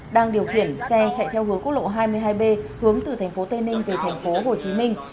đang điều khiển xe chạy theo hướng quốc lộ hai mươi hai b hướng từ thành phố tây ninh về thành phố hồ chí minh